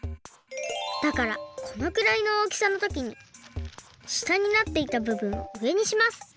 だからこのくらいのおおきさのときにしたになっていたぶぶんをうえにします。